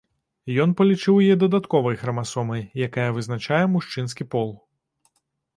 Ён палічыў яе дадатковай храмасомай, якая вызначае мужчынскі пол.